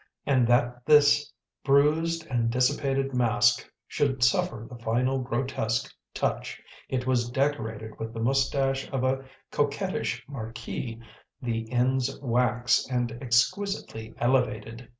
And that this bruised and dissipated mask should suffer the final grotesque touch, it was decorated with the moustache of a coquettish marquis, the ends waxed and exquisitely elevated.